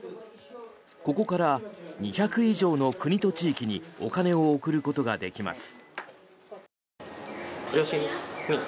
ここから２００以上の国と地域にお金を送ることができます。